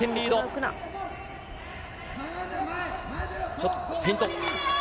ちょっとフェイント。